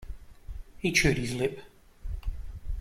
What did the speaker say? He chewed his lip.